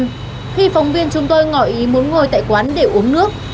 khi phóng viên chúng tôi ngỏ ý muốn ngồi tại quán để uống nước